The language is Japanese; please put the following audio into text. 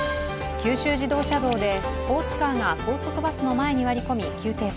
九州自動車道でスポーツカーが高速バスの前に割り込み、急停車。